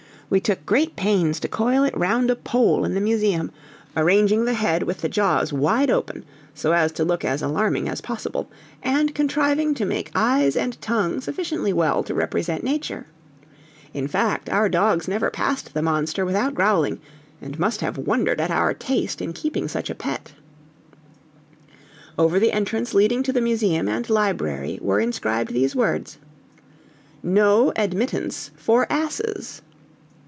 We took great pains to coil it round a pole in the museum, arranging the head with the jaws wide open, so as to look as alarming as possible, and contriving to make eyes and tongue sufficiently well to represent nature; in fact, our dogs never passed the monster without growling, and must have wondered at our taste in keeping such a pet. Over the entrance leading to the museum and library were inscribed these words: NO ADMITTANCE FOR ASSES.